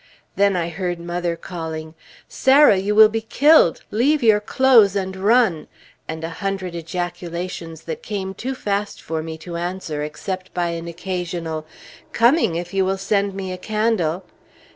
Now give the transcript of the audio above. Then I heard mother calling, "Sarah! You will be killed! Leave your clothes and run!" and a hundred ejaculations that came too fast for me to answer except by an occasional "Coming, if you will send me a candle!"